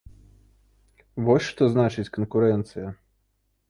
Вось што значыць канкурэнцыя!